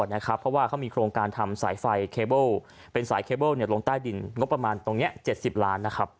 เพราะว่าเขามีโครงการทำสายไฟเป็นสายเคเบิลลงใต้ดินตรงนี้เป็น๗๐ล้าน